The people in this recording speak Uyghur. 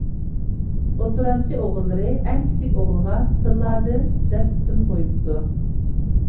ئوتتۇرانچى ئوغۇللىرى ئەڭ كىچىك ئوغلىغا تىللادىن دەپ ئىسىم قويۇپتۇ.